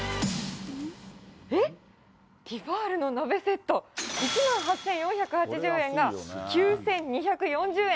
えっ、ティファールの鍋セット、１万８４８０円が９２４０円。